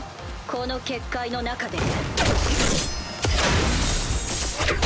この結界の中で。